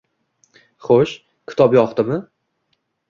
“Xo‘sh, kitob yoqdimi”